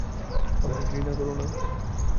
আমাকে ঘৃণা কোরো না।